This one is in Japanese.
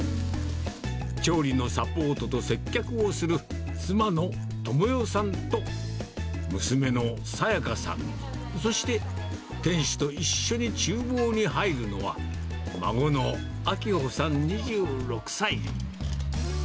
調理のサポートと接客をする、妻の登茂代さんと娘のさや香さん、そして、店主と一緒にちゅう房に入るのは、孫のあきほさん２６歳。